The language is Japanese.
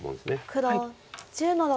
黒１０の六。